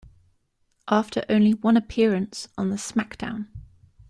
After only one appearance on the SmackDown!